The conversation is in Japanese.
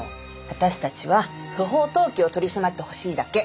私たちは不法投棄を取り締まってほしいだけ。